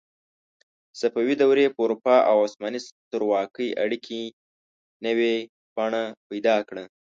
صفوي دورې په اروپا او عثماني سترواکۍ اړیکې نوې بڼه پیدا کړه.